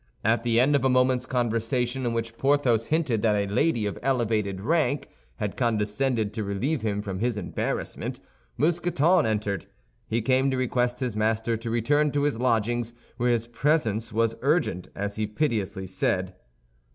At the end of a moment's conversation, in which Porthos hinted that a lady of elevated rank had condescended to relieve him from his embarrassment, Mousqueton entered. He came to request his master to return to his lodgings, where his presence was urgent, as he piteously said.